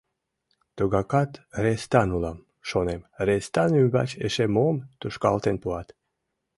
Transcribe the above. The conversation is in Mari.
Тугакат рестан улам, шонем, рестан ӱмбач эше мом тушкалтен пуат?